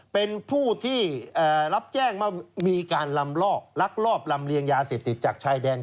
เป็นผู้ที่รับแจ้งว่ามีการลำลอกลักลอบลำเลียงยาเสพติดจากชายแดน